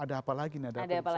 ada apa lagi ya